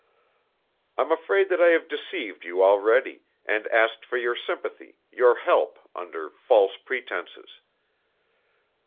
I'm afraid that I have deceived you already, and asked for your sympathy, your help, under false pretenses.